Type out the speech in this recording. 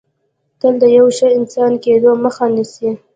تل د یو ښه انسان کېدو مخه نیسي